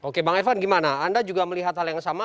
oke bang evan gimana anda juga melihat hal yang sama